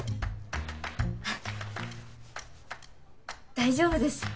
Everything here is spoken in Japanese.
大丈夫です。